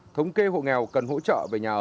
thống kê hộ nghèo cần hỗ trợ